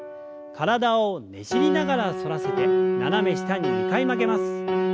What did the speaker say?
体をねじりながら反らせて斜め下に２回曲げます。